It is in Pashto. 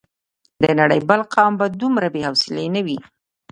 د نړۍ بل قوم به دومره بې حوصلې نه وي.